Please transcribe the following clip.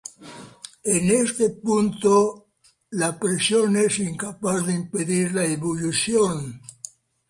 En este punto la presión es incapaz de impedir la ebullición.